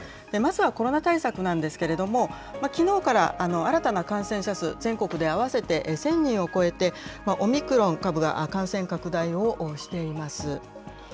まずはコロナ対策なんですけれども、きのうから新たな感染者数、全国で合わせて１０００人を超えて、オミクロン株が感染拡大をしています。